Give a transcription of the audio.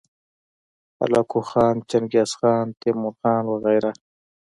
هلاکو خان، چنګیزخان، تیمورخان وغیره